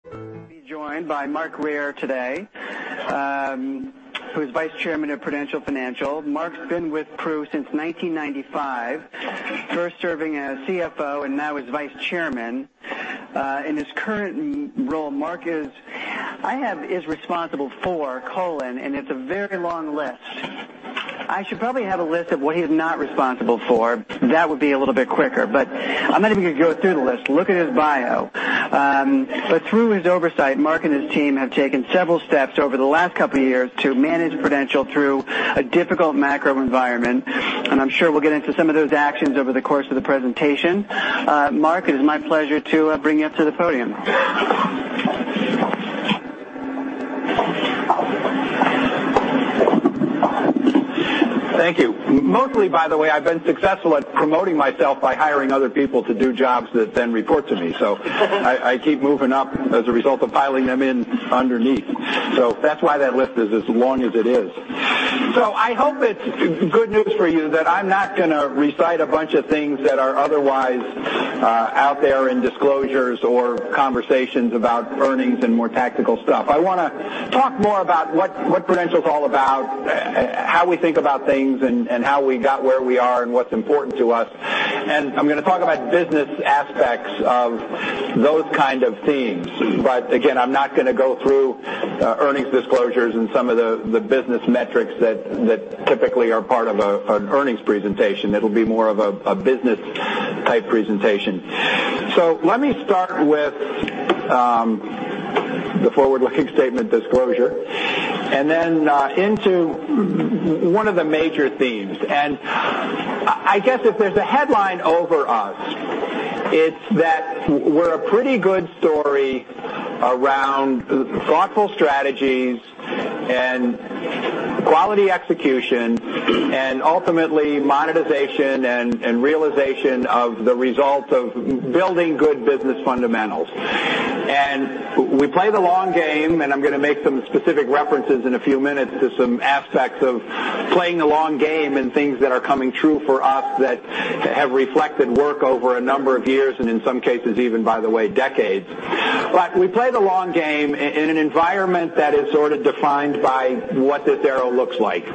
Be joined by Mark Grier today, who is Vice Chairman of Prudential Financial. Mark's been with Pru since 1995, first serving as CFO and now as Vice Chairman. In his current role, Mark is responsible for, it's a very long list. I should probably have a list of what he's not responsible for. That would be a little bit quicker, I'm not even going to go through the list. Look at his bio. Through his oversight, Mark and his team have taken several steps over the last couple of years to manage Prudential through a difficult macro environment, and I'm sure we'll get into some of those actions over the course of the presentation. Mark, it is my pleasure to bring you up to the podium. Thank you. Mostly, by the way, I've been successful at promoting myself by hiring other people to do jobs that then report to me. I keep moving up as a result of piling them in underneath. That's why that list is as long as it is. I hope it's good news for you that I'm not going to recite a bunch of things that are otherwise out there in disclosures or conversations about earnings and more tactical stuff. I want to talk more about what Prudential is all about, how we think about things, and how we got where we are, and what's important to us. I'm going to talk about business aspects of those kinds of themes. Again, I'm not going to go through earnings disclosures and some of the business metrics that typically are part of an earnings presentation. It'll be more of a business type presentation. Let me start with the forward-looking statement disclosure, and then into one of the major themes. I guess if there's a headline over us, it's that we're a pretty good story around thoughtful strategies We play the long game in an environment that is sort of defined by what this arrow looks like.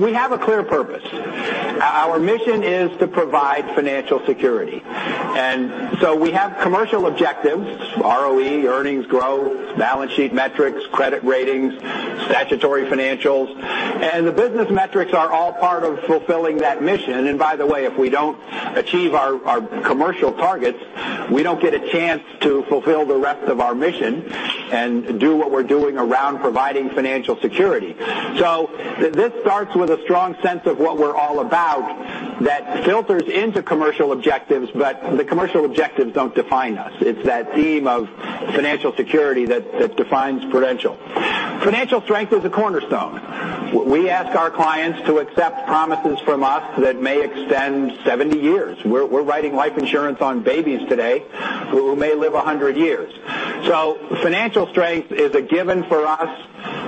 We have a clear purpose. Our mission is to provide financial security. We have commercial objectives, ROE, earnings growth, balance sheet metrics, credit ratings, statutory financials, and the business metrics are all part of fulfilling that mission. By the way, if we don't achieve our commercial targets, we don't get a chance to fulfill the rest of our mission and do what we're doing around providing financial security. This starts with a strong sense of what we're all about that filters into commercial objectives, but the commercial objectives don't define us. It's that theme of financial security that defines Prudential. Financial strength is a cornerstone. We ask our clients to accept promises from us that may extend 70 years. We're writing life insurance on babies today who may live 100 years. Financial strength is a given for us,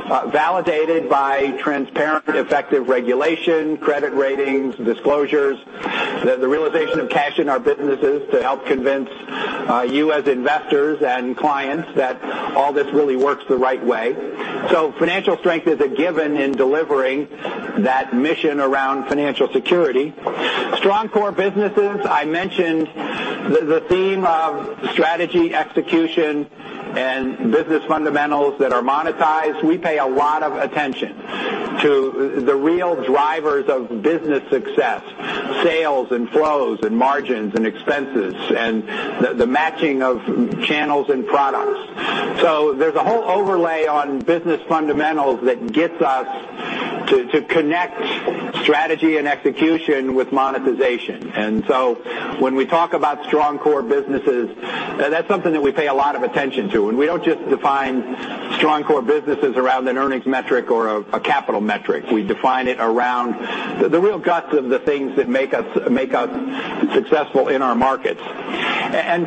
validated by transparent, effective regulation, credit ratings, disclosures, the realization of cash in our businesses to help convince you as investors and clients that all this really works the right way. Financial strength is a given in delivering that mission around financial security. Strong core businesses, I mentioned the theme of strategy execution and business fundamentals that are monetized. We pay a lot attention to the real drivers of business success, sales and flows and margins and expenses, and the matching of channels and products. There's a whole overlay on business fundamentals that gets us to connect strategy and execution with monetization. When we talk about strong core businesses, that's something that we pay a lot attention to, and we don't just define strong core businesses around an earnings metric or a capital metric. We define it around the real guts of the things that make us successful in our markets.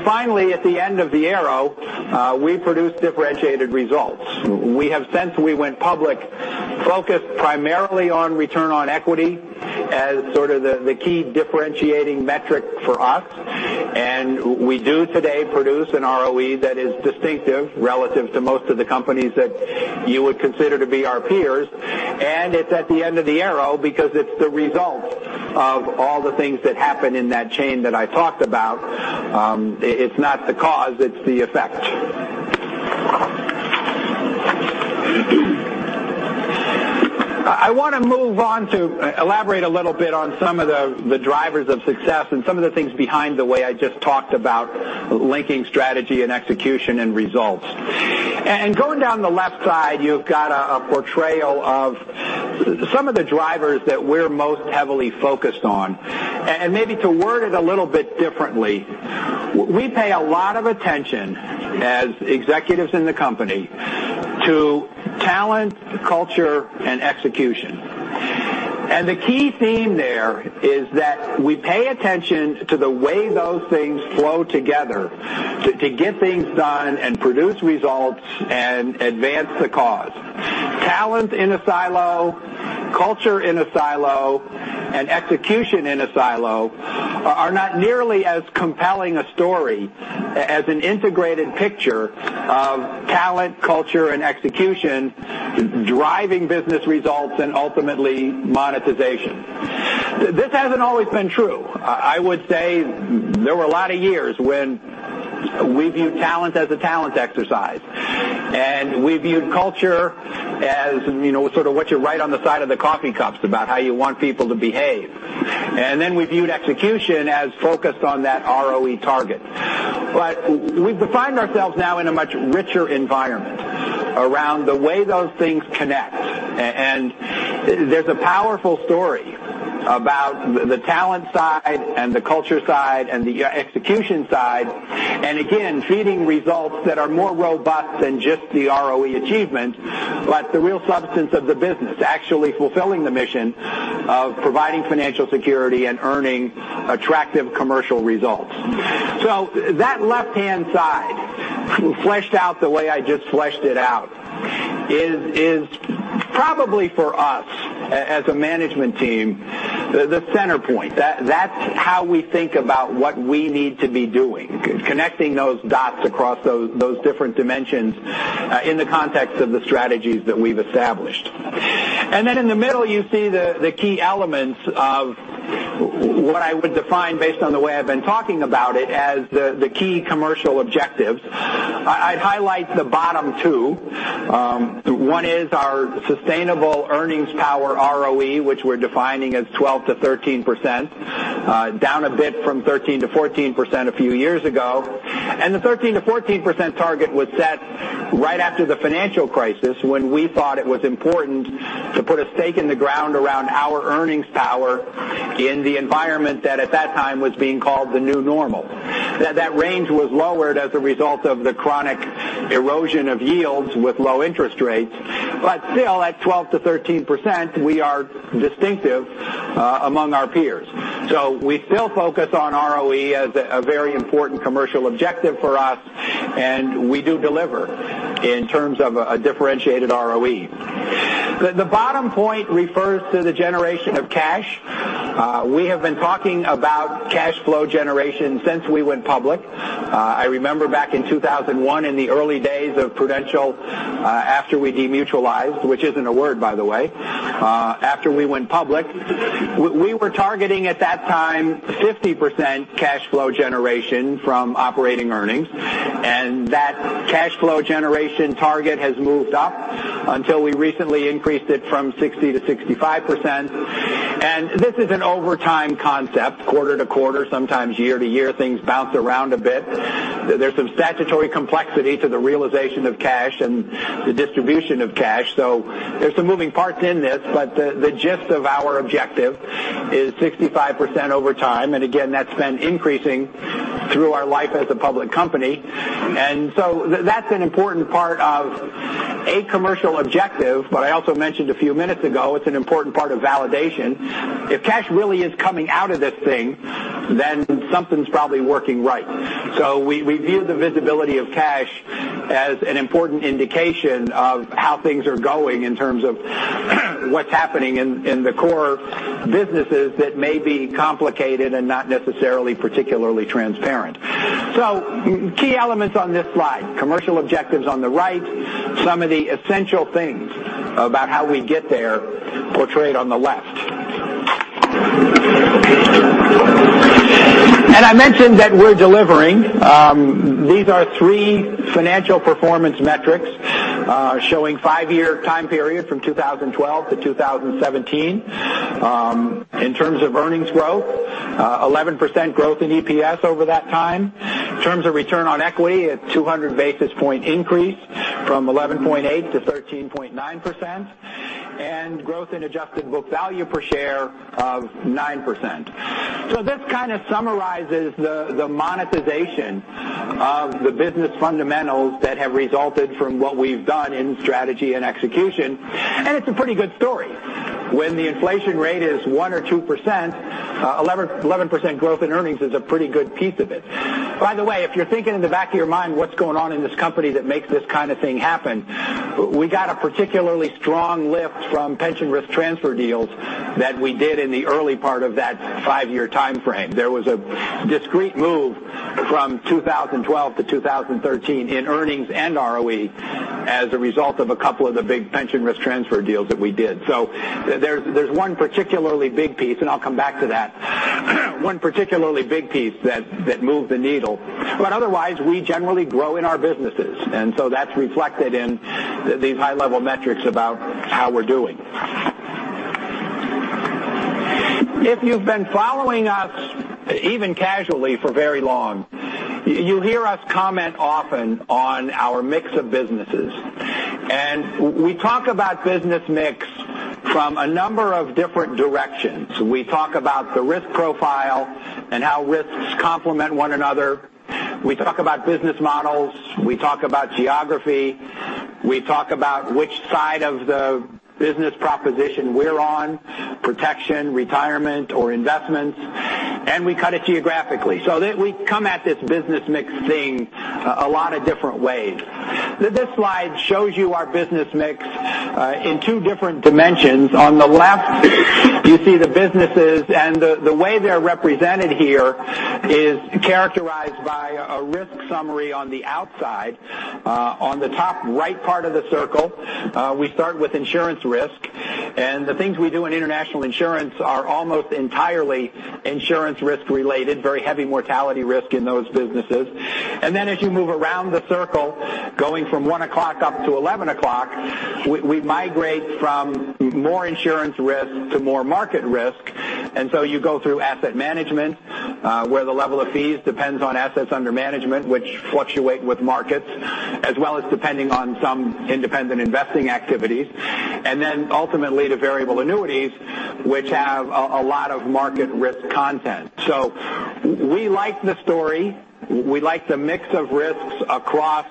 Finally, at the end of the arrow, we produce differentiated results. We have since we went public, focused primarily on return on equity as sort of the key differentiating metric for us, and we do today produce an ROE that is distinctive relative to most of the companies that you would consider to be our peers, and it's at the end of the arrow because it's the result of all the things that happen in that chain that I talked about. It's not the cause, it's the effect. I want to move on to elaborate a little bit on some of the drivers of success and some of the things behind the way I just talked about linking strategy and execution and results. Going down the left side, you've got a portrayal of some of the drivers that we're most heavily focused on. Maybe to word it a little bit differently, we pay a lot of attention as executives in the company to talent, culture, and execution. The key theme there is that we pay attention to the way those things flow together to get things done and produce results and advance the cause. Talent in a silo, culture in a silo, and execution in a silo are not nearly as compelling a story as an integrated picture of talent, culture, and execution driving business results and ultimately monetization. This hasn't always been true. I would say there were a lot of years when we viewed talent as a talent exercise, and we viewed culture as sort of what you write on the side of the coffee cups about how you want people to behave. We viewed execution as focused on that ROE target. We find ourselves now in a much richer environment around the way those things connect. There's a powerful story about the talent side and the culture side and the execution side, and again, feeding results that are more robust than just the ROE achievement, but the real substance of the business, actually fulfilling the mission of providing financial security and earning attractive commercial results. That left-hand side, fleshed out the way I just fleshed it out, is probably for us, as a management team, the center point. That's how we think about what we need to be doing, connecting those dots across those different dimensions in the context of the strategies that we've established. In the middle, you see the key elements of what I would define based on the way I've been talking about it as the key commercial objectives. I'd highlight the bottom two. One is our sustainable earnings power ROE, which we're defining as 12%-13%, down a bit from 13%-14% a few years ago. The 13%-14% target was set right after the financial crisis, when we thought it was important to put a stake in the ground around our earnings power in the environment that at that time was being called the new normal. That range was lowered as a result of the chronic erosion of yields with low interest rates. Still, at 12%-13%, we are distinctive among our peers. We still focus on ROE as a very important commercial objective for us, and we do deliver in terms of a differentiated ROE. The bottom point refers to the generation of cash. We have been talking about cash flow generation since we went public. I remember back in 2001, in the early days of Prudential, after we demutualized, which isn't a word, by the way, after we went public, we were targeting at that time 50% cash flow generation from operating earnings, and that cash flow generation target has moved up until we recently increased it from 60%-65%. This is an over time concept, quarter to quarter, sometimes year to year, things bounce around a bit. There's some statutory complexity to the realization of cash and the distribution of cash. There's some moving parts in this, but the gist of our objective is 65% over time. Again, that's been increasing through our life as a public company. That's an important part of a commercial objective. I also mentioned a few minutes ago, it's an important part of validation. If cash really is coming out of this thing, then something's probably working right. We view the visibility of cash as an important indication of how things are going in terms of what's happening in the core businesses that may be complicated and not necessarily particularly transparent. Key elements on this slide, commercial objectives on the right, some of the essential things about how we get there portrayed on the left. I mentioned that we're delivering. These are three financial performance metrics showing five-year time period from 2012-2017. In terms of earnings growth, 11% growth in EPS over that time. In terms of return on equity, a 200 basis point increase from 11.8%-13.9%. Growth in adjusted book value per share of 9%. This kind of summarizes the monetization of the business fundamentals that have resulted from what we've done in strategy and execution, and it's a pretty good story. When the inflation rate is 1% or 2%, 11% growth in earnings is a pretty good piece of it. By the way, if you're thinking in the back of your mind what's going on in this company that makes this kind of thing happen, we got a particularly strong lift from pension risk transfer deals that we did in the early part of that five-year timeframe. There was a discrete move from 2012 to 2013 in earnings and ROE as a result of a couple of the big pension risk transfer deals that we did. There's one particularly big piece, and I'll come back to that, one particularly big piece that moved the needle. Otherwise, we generally grow in our businesses, and so that's reflected in these high-level metrics about how we're doing. If you've been following us even casually for very long, you hear us comment often on our mix of businesses. We talk about business mix from a number of different directions. We talk about the risk profile and how risks complement one another. We talk about business models. We talk about geography. We talk about which side of the business proposition we're on, protection, retirement, or investments. We cut it geographically. We come at this business mix thing a lot of different ways. This slide shows you our business mix in two different dimensions. On the left, you see the businesses, and the way they're represented here is characterized by a risk summary on the outside. On the top right part of the circle, we start with insurance risk. The things we do in international insurance are almost entirely insurance risk related, very heavy mortality risk in those businesses. Then as you move around the circle, going from 1 o'clock up to 11 o'clock, we migrate from more insurance risk to more market risk. You go through asset management, where the level of fees depends on assets under management, which fluctuate with markets, as well as depending on some independent investing activities. Then ultimately, to variable annuities, which have a lot of market risk content. We like the story. We like the mix of risks across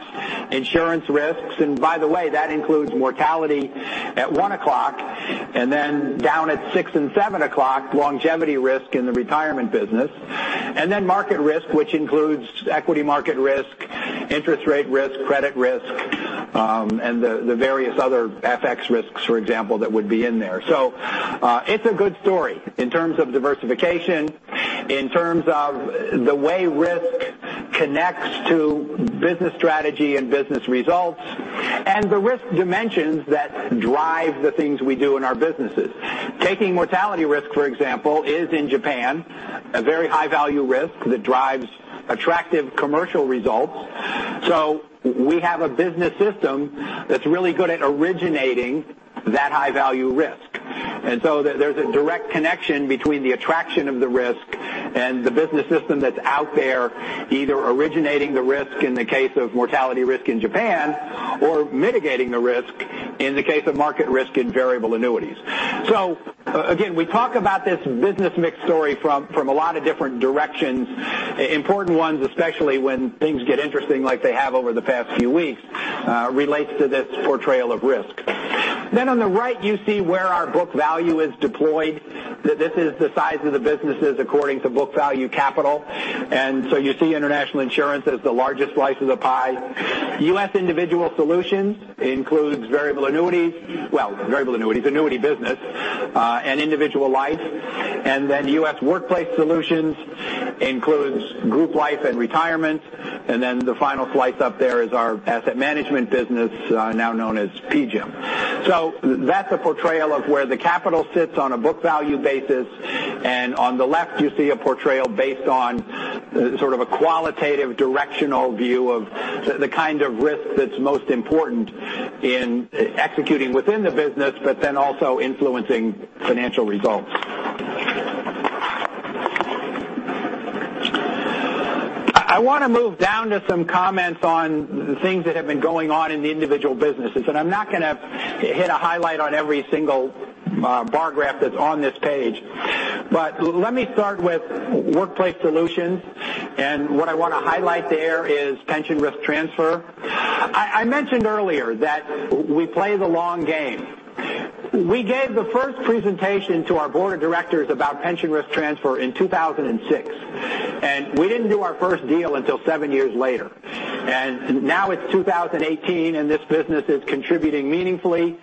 insurance risks. By the way, that includes mortality at 1 o'clock, and then down at six and seven o'clock, longevity risk in the retirement business. Then market risk, which includes equity market risk, interest rate risk, credit risk, and the various other FX risks, for example, that would be in there. It's a good story in terms of diversification, in terms of the way risk connects to business strategy and business results, and the risk dimensions that drive the things we do in our businesses. Taking mortality risk, for example, is in Japan, a very high-value risk that drives attractive commercial results. We have a business system that's really good at originating that high-value risk. There's a direct connection between the attraction of the risk and the business system that's out there, either originating the risk in the case of mortality risk in Japan, or mitigating the risk in the case of market risk in variable annuities. Again, we talk about this business mix story from a lot of different directions, important ones, especially when things get interesting like they have over the past few weeks, relates to this portrayal of risk. On the right, you see where our book value is deployed. This is the size of the businesses according to book value capital. You see international insurance as the largest slice of the pie. U.S. Individual Solutions includes variable annuities, well, variable annuities, annuity business, and individual life. Then U.S. Workplace Solutions includes group life and retirement. The final slice up there is our asset management business, now known as PGIM. That's a portrayal of where the capital sits on a book value basis. On the left, you see a portrayal based on sort of a qualitative directional view of the kind of risk that's most important in executing within the business, but also influencing financial results. I want to move down to some comments on the things that have been going on in the individual businesses. I'm not going to hit a highlight on every single bar graph that's on this page. Let me start with Workplace Solutions. What I want to highlight there is pension risk transfer. I mentioned earlier that we play the long game. We gave the first presentation to our board of directors about pension risk transfer in 2006. We didn't do our first deal until seven years later. Now it's 2018. This business is contributing meaningfully,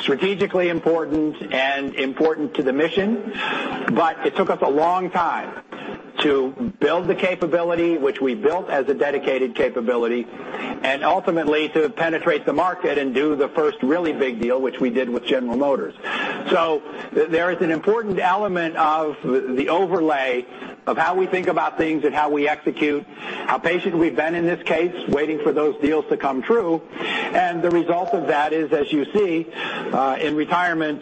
strategically important, and important to the mission. It took us a long time to build the capability, which we built as a dedicated capability, and ultimately to penetrate the market and do the first really big deal, which we did with General Motors. There is an important element of the overlay of how we think about things and how we execute, how patient we've been in this case, waiting for those deals to come true. The result of that is, as you see, in retirement,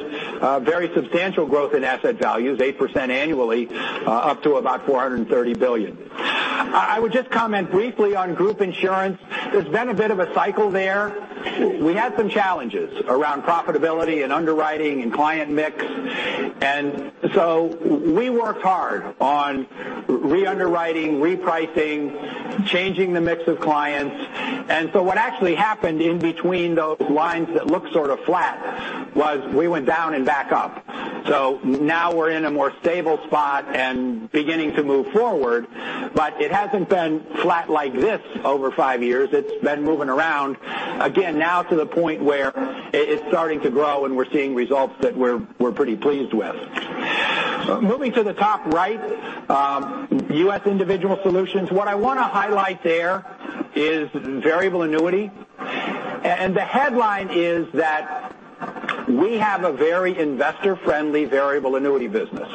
very substantial growth in asset values, 8% annually, up to about $430 billion. I would just comment briefly on group insurance. There's been a bit of a cycle there. We had some challenges around profitability and underwriting and client mix. We worked hard on re-underwriting, re-pricing, changing the mix of clients. What actually happened in between those lines that look sort of flat was we went down and back up. Now we're in a more stable spot and beginning to move forward, but it hasn't been flat like this over five years. It's been moving around, again, now to the point where it is starting to grow and we're seeing results that we're pretty pleased with. Moving to the top right, U.S. Individual Solutions. What I want to highlight there is variable annuity. The headline is that we have a very investor-friendly variable annuity business.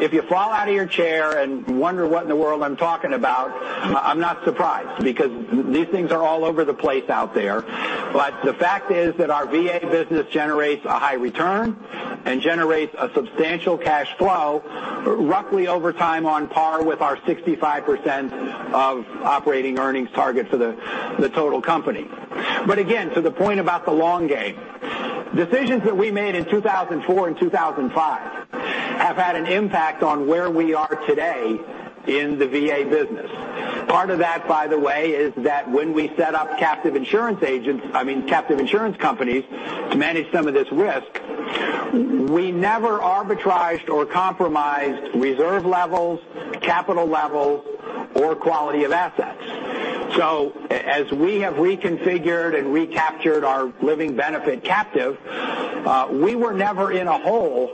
If you fall out of your chair and wonder what in the world I'm talking about, I'm not surprised because these things are all over the place out there. The fact is that our VA business generates a high return and generates a substantial cash flow, roughly over time on par with our 65% of operating earnings target for the total company. Again, to the point about the long game, decisions that we made in 2004 and 2005 have had an impact on where we are today in the VA business. Part of that, by the way, is that when we set up captive insurance companies to manage some of this risk, we never arbitraged or compromised reserve levels, capital levels, or quality of assets. As we have reconfigured and recaptured our living benefit captive, we were never in a hole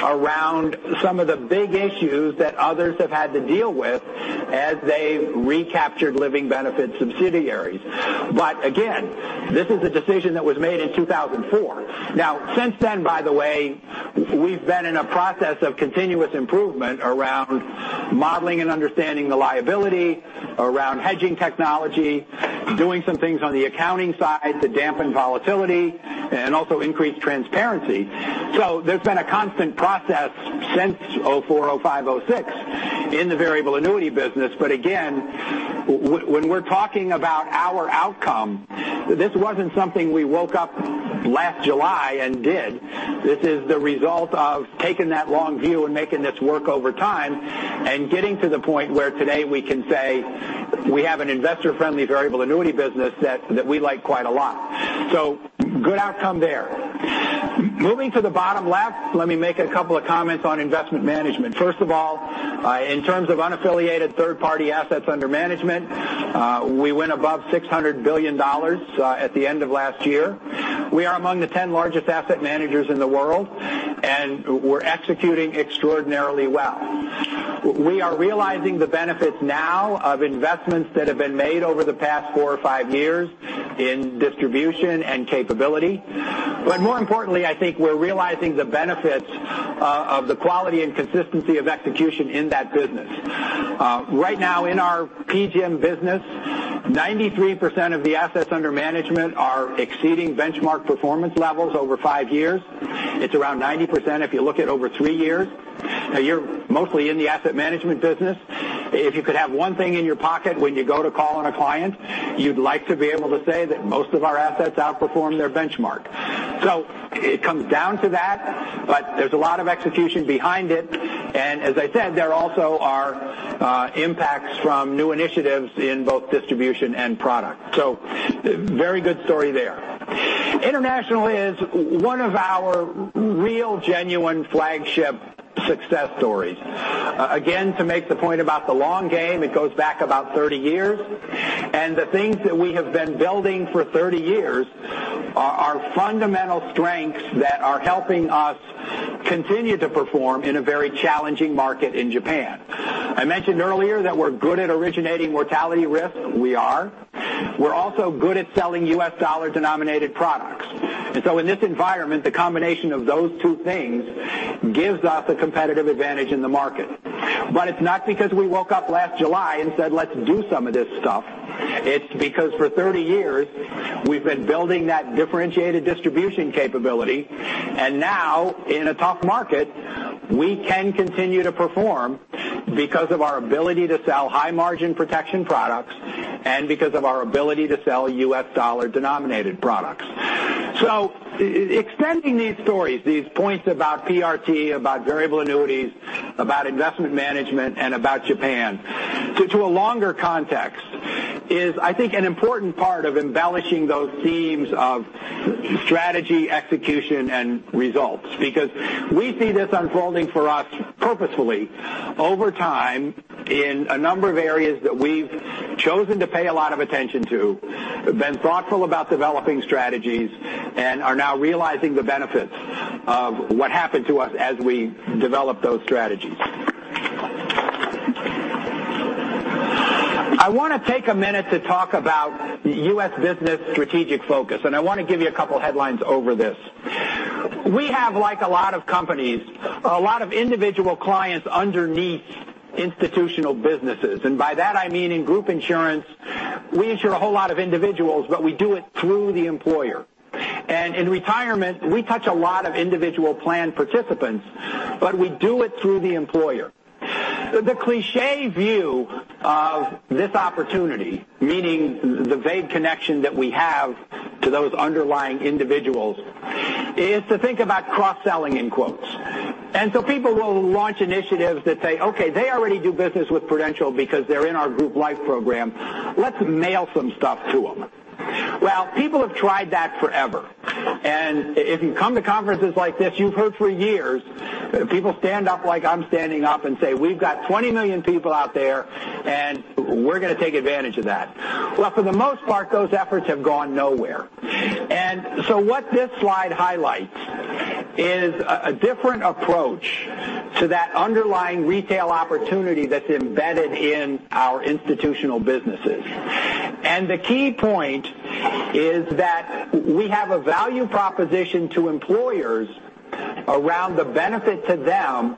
around some of the big issues that others have had to deal with as they recaptured living benefit subsidiaries. Again, this is a decision that was made in 2004. Since then, by the way, we've been in a process of continuous improvement around modeling and understanding the liability, around hedging technology, doing some things on the accounting side to dampen volatility and also increase transparency. There's been a constant process since 2004, 2005, 2006 in the variable annuity business. Again, when we're talking about our outcome, this wasn't something we woke up last July and did. This is the result of taking that long view and making this work over time and getting to the point where today we can say we have an investor-friendly variable annuity business that we like quite a lot. Good outcome there. Moving to the bottom left, let me make a couple of comments on investment management. First of all, in terms of unaffiliated third-party assets under management, we went above $600 billion at the end of last year. We are among the 10 largest asset managers in the world, and we're executing extraordinarily well. We are realizing the benefits now of investments that have been made over the past four or five years in distribution and capability. More importantly, I think we're realizing the benefits of the quality and consistency of execution in that business. Right now in our PGIM business, 93% of the assets under management are exceeding benchmark performance levels over five years. It's around 90% if you look at over three years. You're mostly in the asset management business. If you could have one thing in your pocket when you go to call on a client, you'd like to be able to say that most of our assets outperform their benchmark. It comes down to that, but there's a lot of execution behind it. As I said, there also are impacts from new initiatives in both distribution and product. Very good story there. International is one of our real genuine flagship success stories. Again, to make the point about the long game, it goes back about 30 years. The things that we have been building for 30 years are fundamental strengths that are helping us continue to perform in a very challenging market in Japan. I mentioned earlier that we're good at originating mortality risk. We are. We're also good at selling U.S. dollar-denominated products. In this environment, the combination of those two things gives us a competitive advantage in the market. It's not because we woke up last July and said, "Let's do some of this stuff." It's because for 30 years, we've been building that differentiated distribution capability. Now in a tough market, we can continue to perform because of our ability to sell high-margin protection products and because of our ability to sell U.S. dollar-denominated products. Extending these stories, these points about PRT, about variable annuities, about investment management, and about Japan to a longer context is, I think, an important part of embellishing those themes of strategy, execution, and results because we see this unfolding for us purposefully over time in a number of areas that we've chosen to pay a lot of attention to, been thoughtful about developing strategies, and are now realizing the benefits of what happened to us as we developed those strategies. I want to take a minute to talk about U.S. business strategic focus. I want to give you a couple headlines over this. We have, like a lot of companies, a lot of individual clients underneath institutional businesses. By that I mean in group insurance, we insure a whole lot of individuals, but we do it through the employer. In retirement, we touch a lot of individual plan participants, but we do it through the employer. The cliche view of this opportunity, meaning the vague connection that we have to those underlying individuals, is to think about cross-selling in quotes. People will launch initiatives that say, "Okay, they already do business with Prudential because they're in our group life program. Let's mail some stuff to them." People have tried that forever. If you come to conferences like this, you've heard for years, people stand up like I'm standing up and say, "We've got 20 million people out there, and we're going to take advantage of that." For the most part, those efforts have gone nowhere. What this slide highlights is a different approach to that underlying retail opportunity that's embedded in our institutional businesses. The key point is that we have a value proposition to employers around the benefit to them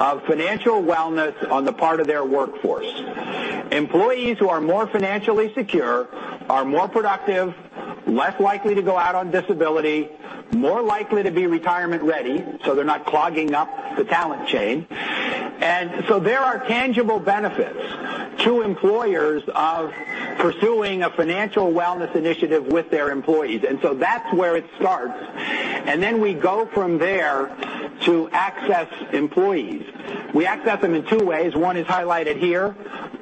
of financial wellness on the part of their workforce. Employees who are more financially secure are more productive, less likely to go out on disability, more likely to be retirement ready, so they're not clogging up the talent chain. There are tangible benefits to employers of pursuing a financial wellness initiative with their employees. That's where it starts. We go from there to access employees. We access them in two ways. One is highlighted here,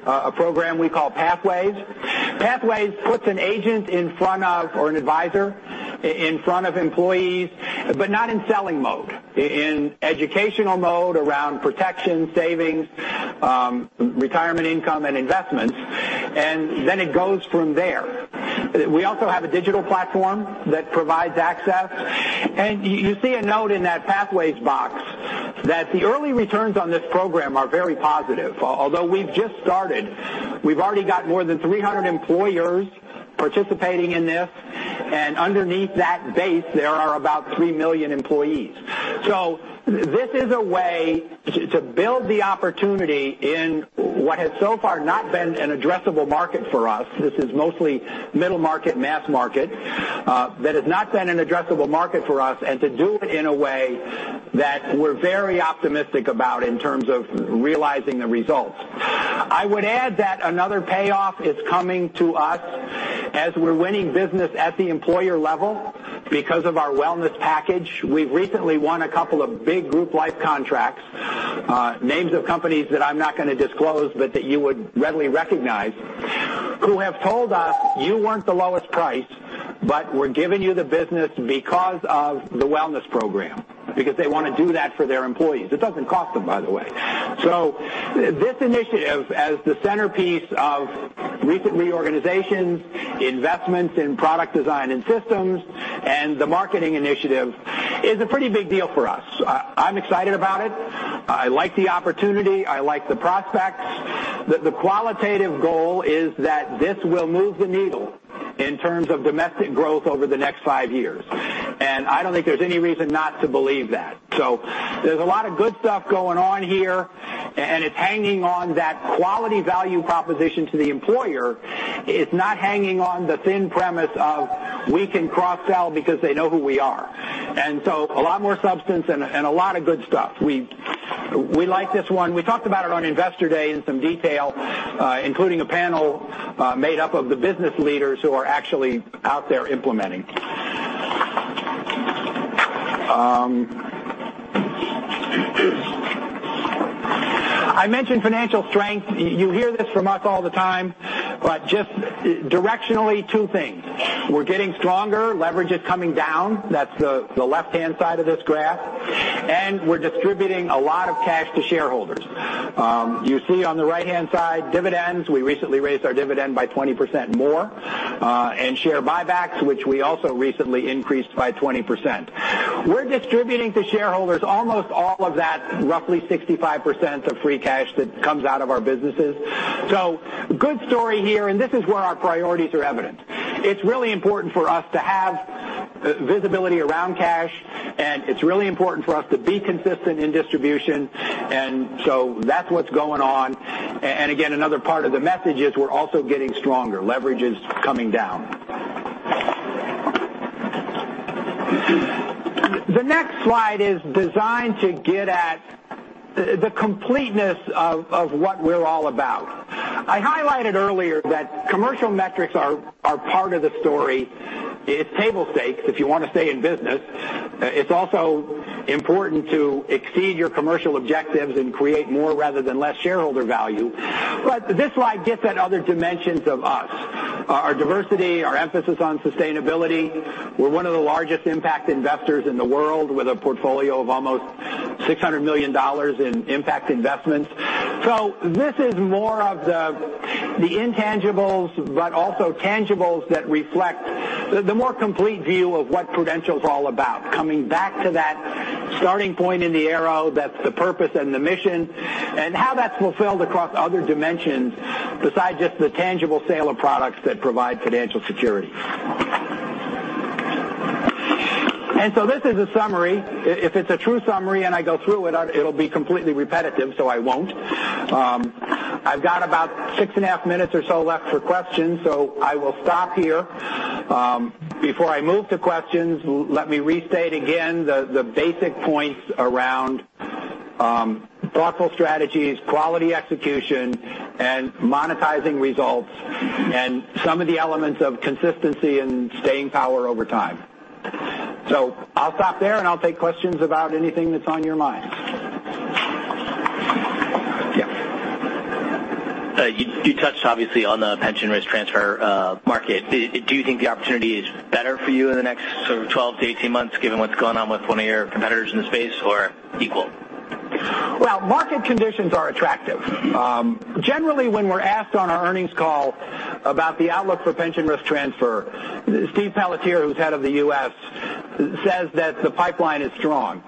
a program we call Pathways. Pathways puts an agent in front of, or an advisor in front of employees, but not in selling mode, in educational mode around protection, savings, retirement income, and investments. It goes from there. We also have a digital platform that provides access. You see a note in that Pathways box that the early returns on this program are very positive. Although we've just started, we've already got more than 300 employers participating in this. Underneath that base, there are about 3 million employees. This is a way to build the opportunity in what has so far not been an addressable market for us. This is mostly middle market, mass market, that has not been an addressable market for us, and to do it in a way that we're very optimistic about in terms of realizing the results. I would add that another payoff is coming to us as we're winning business at the employer level because of our wellness package. We've recently won a couple of big group life contracts, names of companies that I'm not going to disclose but that you would readily recognize, who have told us, "You weren't the lowest price, but we're giving you the business because of the wellness program." They want to do that for their employees. It doesn't cost them, by the way. This initiative as the centerpiece of recent reorganization, investments in product design and systems, and the marketing initiative is a pretty big deal for us. I'm excited about it. I like the opportunity. I like the prospects. The qualitative goal is that this will move the needle in terms of domestic growth over the next 5 years. I don't think there's any reason not to believe that. There's a lot of good stuff going on here, and it's hanging on that quality value proposition to the employer. It's not hanging on the thin premise of we can cross-sell because they know who we are. A lot more substance and a lot of good stuff. We like this one. We talked about it on Investor Day in some detail, including a panel made up of the business leaders who are actually out there implementing. I mentioned financial strength. You hear this from us all the time, but just directionally, two things. We're getting stronger. Leverage is coming down. That's the left-hand side of this graph. We're distributing a lot of cash to shareholders. You see on the right-hand side, dividends, we recently raised our dividend by 20% more, and share buybacks, which we also recently increased by 20%. We're distributing to shareholders almost all of that, roughly 65% of free cash that comes out of our businesses. Good story here, and this is where our priorities are evident. It's really important for us to have visibility around cash, and it's really important for us to be consistent in distribution. That's what's going on. Again, another part of the message is we're also getting stronger. Leverage is coming down. The next slide is designed to get at the completeness of what we're all about. I highlighted earlier that commercial metrics are part of the story. It's table stakes if you want to stay in business. It's also important to exceed your commercial objectives and create more rather than less shareholder value. This slide gets at other dimensions of us, our diversity, our emphasis on sustainability. We're one of the largest impact investors in the world with a portfolio of almost $600 million in impact investments. This is more of the intangibles but also tangibles that reflect the more complete view of what Prudential is all about. Coming back to that starting point in the arrow, that's the purpose and the mission, and how that's fulfilled across other dimensions besides just the tangible sale of products that provide financial security. This is a summary. If it's a true summary and I go through it'll be completely repetitive, I won't. I've got about six and a half minutes or so left for questions, I will stop here. Before I move to questions, let me restate again the basic points around thoughtful strategies, quality execution, and monetizing results, and some of the elements of consistency and staying power over time. I'll stop there, and I'll take questions about anything that's on your mind. Yeah. You touched, obviously, on the pension risk transfer market. Do you think the opportunity is better for you in the next sort of 12-18 months given what's going on with one of your competitors in the space or equal? Well, market conditions are attractive. Generally, when we're asked on our earnings call about the outlook for pension risk transfer, Stephen Pelletier, who's head of the U.S., says that the pipeline is strong.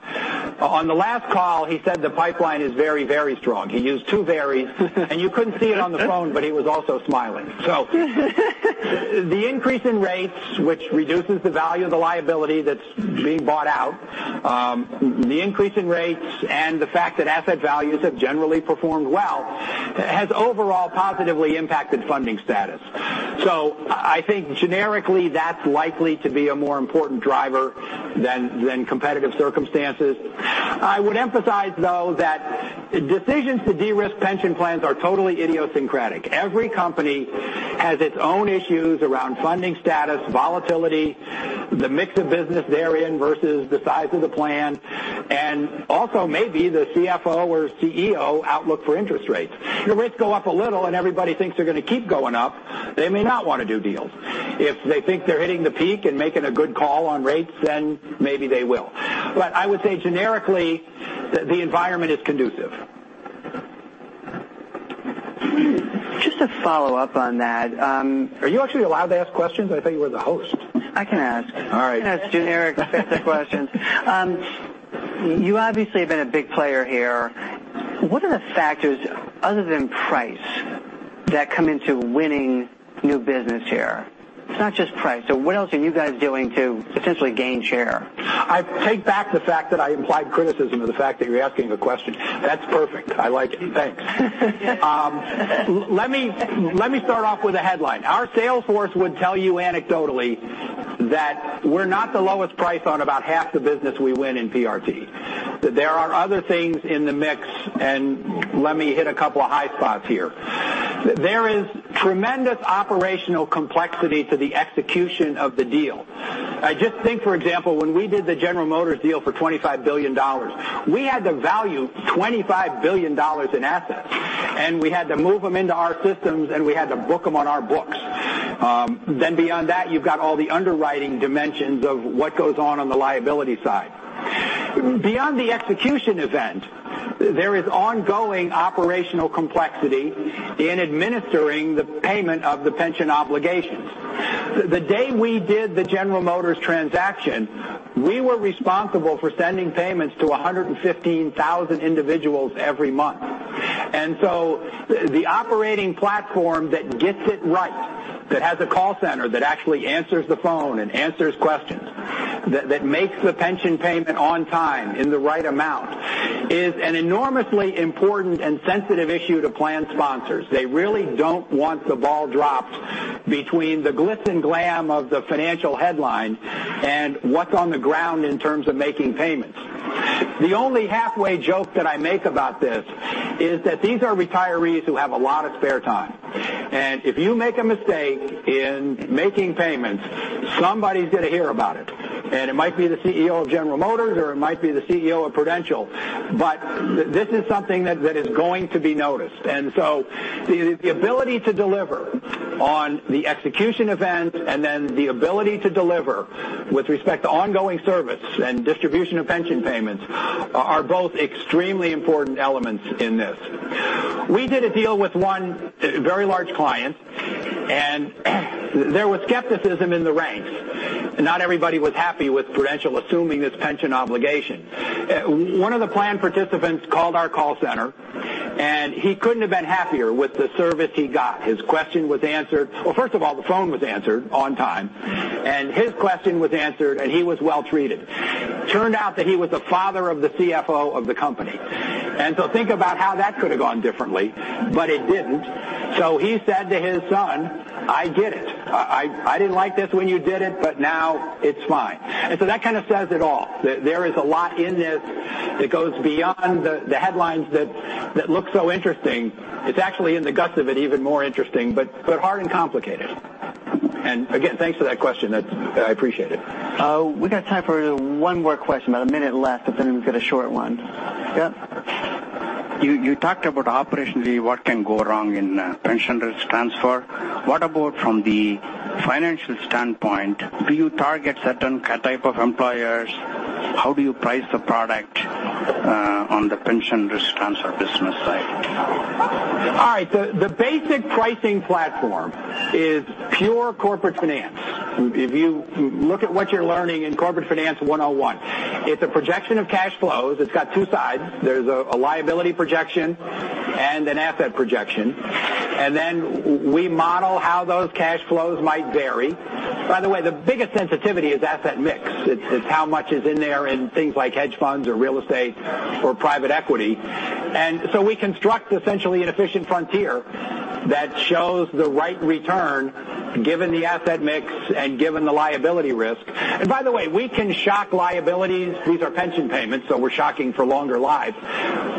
On the last call, he said the pipeline is very strong. He used two verys. You couldn't see it on the phone, but he was also smiling. The increase in rates, which reduces the value of the liability that's being bought out, the increase in rates and the fact that asset values have generally performed well, has overall positively impacted funding status. I think generically, that's likely to be a more important driver than competitive circumstances. I would emphasize, though, that decisions to de-risk pension plans are totally idiosyncratic. Every company has its own issues around funding status, volatility, the mix of business they're in versus the size of the plan, and also maybe the CFO or CEO outlook for interest rates. If rates go up a little and everybody thinks they're going to keep going up, they may not want to do deals. If they think they're hitting the peak and making a good call on rates, then maybe they will. I would say generically, that the environment is conducive. Just to follow up on that. Are you actually allowed to ask questions? I thought you were the host. I can ask. All right. I can ask generic, specific questions. You obviously have been a big player here. What are the factors other than price that come into winning new business here? It's not just price. What else are you guys doing to essentially gain share? I take back the fact that I implied criticism of the fact that you're asking the question. That's perfect. I like it. Thanks. Let me start off with a headline. Our sales force would tell you anecdotally that we're not the lowest price on about half the business we win in PRT. There are other things in the mix, and let me hit a couple of high spots here. There is tremendous operational complexity to the execution of the deal. Just think, for example, when we did the General Motors deal for $25 billion, we had to value $25 billion in assets, and we had to move them into our systems, and we had to book them on our books. Beyond that, you've got all the underwriting dimensions of what goes on on the liability side. Beyond the execution event, there is ongoing operational complexity in administering the payment of the pension obligations. The day we did the General Motors transaction, we were responsible for sending payments to 115,000 individuals every month. The operating platform that gets it right, that has a call center that actually answers the phone and answers questions, that makes the pension payment on time in the right amount, is an enormously important and sensitive issue to plan sponsors. They really don't want the ball dropped between the glitz and glam of the financial headlines and what's on the ground in terms of making payments. The only halfway joke that I make about this is that these are retirees who have a lot of spare time, and if you make a mistake in making payments, somebody's going to hear about it. It might be the CEO of General Motors, or it might be the CEO of Prudential, but this is something that is going to be noticed. The ability to deliver on the execution event and then the ability to deliver with respect to ongoing service and distribution of pension payments are both extremely important elements in this. We did a deal with one very large client, and there was skepticism in the ranks. Not everybody was happy with Prudential assuming this pension obligation. One of the plan participants called our call center, and he couldn't have been happier with the service he got. His question was answered. Well, first of all, the phone was answered on time, and his question was answered, and he was well treated. Turned out that he was the father of the CFO of the company. Think about how that could have gone differently, but it didn't. He said to his son, "I get it. I didn't like this when you did it, but now it's fine." That kind of says it all. There is a lot in this that goes beyond the headlines that look so interesting. It's actually in the guts of it, even more interesting, but hard and complicated. Again, thanks for that question. I appreciate it. We got time for one more question, about a minute left, if anyone's got a short one. Yep. You talked about operationally what can go wrong in a pension risk transfer. What about from the financial standpoint? Do you target certain type of employers? How do you price the product on the pension risk transfer business side? All right. The basic pricing platform is pure Corporate Finance. If you look at what you're learning in Corporate Finance 101, it's a projection of cash flows. It's got two sides. Then we model how those cash flows might vary. By the way, the biggest sensitivity is asset mix. It's how much is in there in things like hedge funds or real estate or private equity. We construct essentially an efficient frontier that shows the right return given the asset mix and given the liability risk. By the way, we can shock liabilities. These are pension payments, so we're shocking for longer lives.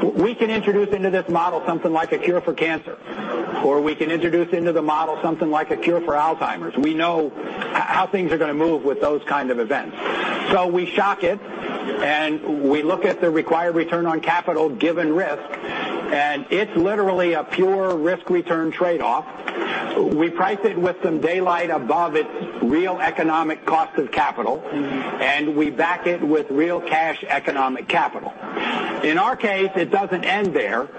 We can introduce into this model something like a cure for cancer, or we can introduce into the model something like a cure for Alzheimer's. We know how things are going to move with those kind of events. We shock it, we look at the required return on capital given risk, it's literally a pure risk-return trade-off. We price it with some daylight above its real economic cost of capital, we back it with real cash economic capital. In our case, it doesn't end there.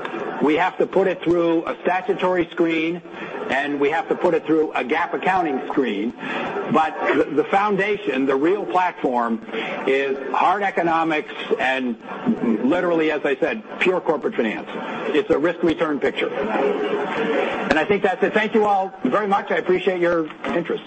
We have to put it through a statutory screen, we have to put it through a GAAP accounting screen. The foundation, the real platform is hard economics and literally, as I said, pure corporate finance. It's a risk return picture. I think that's it. Thank you all very much. I appreciate your interest.